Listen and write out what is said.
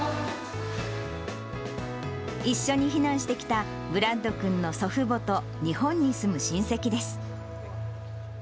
一緒に避難してきた、ブラッド君の祖父母と日本に住む親戚です。